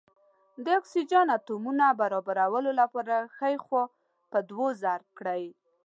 د اکسیجن اتومونو برابرولو لپاره ښۍ خوا په دوه ضرب کړئ.